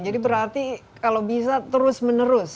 jadi berarti kalau bisa terus menerus